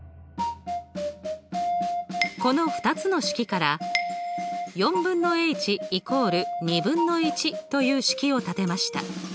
この２つの式から４分のｈ＝２分の１という式を立てました。